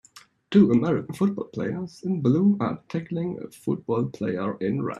Two American football players in blue are tackling a football player in red.